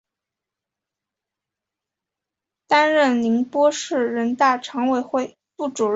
担任宁波市人大常委会副主任。